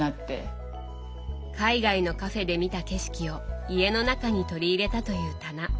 海外のカフェで見た景色を家の中に取り入れたという棚